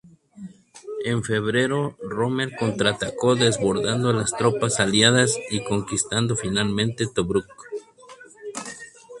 En febrero, Rommel contraatacó, desbordando a las tropas aliadas y conquistando finalmente Tobruk.